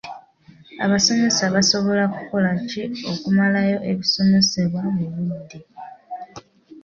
Abasomesa basobola kukola ki okumalayo ebisomesebwa mu budde?